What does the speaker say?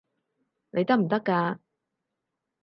你得唔得㗎？